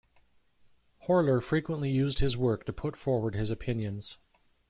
Horler frequently used his work to put forward his opinions.